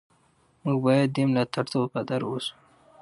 موږ باید دې ملاتړ ته وفادار اوسو.